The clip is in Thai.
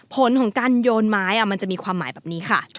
ผลของการโยนไม้มันจะมีความหมายแบบนี้ค่ะ